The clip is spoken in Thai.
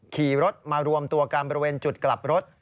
ขี่รถมารวมตัวกันบริเวณจุดกลับรถ